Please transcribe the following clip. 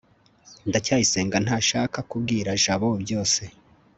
ndacyayisenga ntashaka kubwira jabo byose